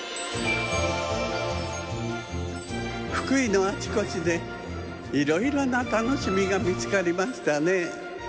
福井のあちこちでいろいろなたのしみがみつかりましたね。